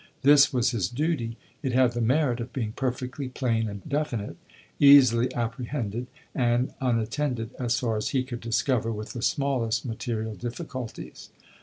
This was his duty; it had the merit of being perfectly plain and definite, easily apprehended, and unattended, as far as he could discover, with the smallest material difficulties.